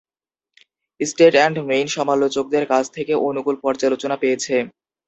State and Main সমালোচকদের কাছ থেকে অনুকূল পর্যালোচনা পেয়েছে।